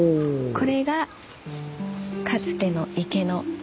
これがかつての池の姿です。